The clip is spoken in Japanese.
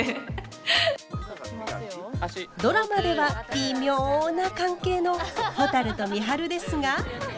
ドラマではビミョな関係のほたると美晴ですが。